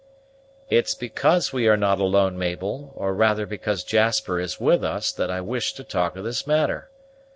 "It's because we are not alone, Mabel, or rather because Jasper is with us, that I wish to talk of this matter.